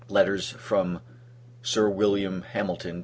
Letters FROM SIR WILLIAM HAMILTON, K.